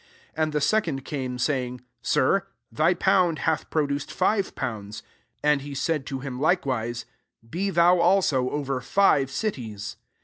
18 And ^e second came, saying, •« Sir^ thy pound hath produced five pounds.' 19 And he said to him likewise, < Be thou also over five cities.'